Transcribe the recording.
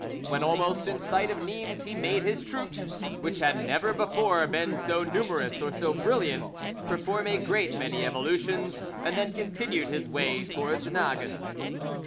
When almost in sight of Nimes he made his troops, which had never before been so numerous or so brilliant, perform a great many evolutions, and then continued his way towards Nages.